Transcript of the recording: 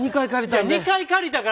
２回借りたんで。